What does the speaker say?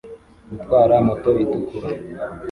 Gutwara moto itukura